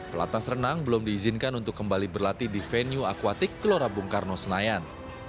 pelatnas renang belum diizinkan untuk kembali berlatih di venue akuatik gelora bung karno senayan